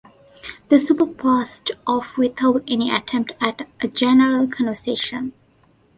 The supper passed off without any attempt at a general conversation.